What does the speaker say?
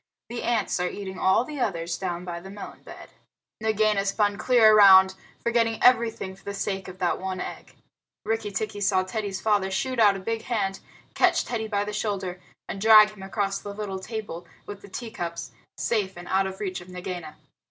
The ants are eating all the others down by the melon bed." Nagaina spun clear round, forgetting everything for the sake of the one egg. Rikki tikki saw Teddy's father shoot out a big hand, catch Teddy by the shoulder, and drag him across the little table with the tea cups, safe and out of reach of Nagaina.